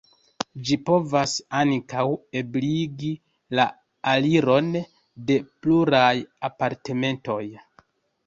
Ĝi povas ankaŭ ebligi la aliron de pluraj apartamentoj.